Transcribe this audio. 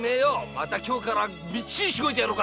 また今日からみっちりしごいてやる！